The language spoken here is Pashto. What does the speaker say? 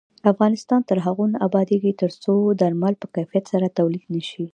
افغانستان تر هغو نه ابادیږي، ترڅو درمل په کیفیت سره تولید نشي.